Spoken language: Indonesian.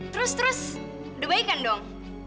terus terus udah baik kan dong